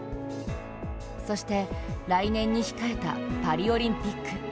そして来年に控えたパリオリンピック。